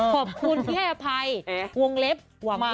ขอบคุณที่ให้อภัยวงเล็บหวังว่า